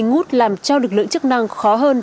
ngút làm cho lực lượng chức năng khó hơn